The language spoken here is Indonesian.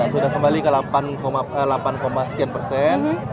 sudah kembali ke delapan sekian persen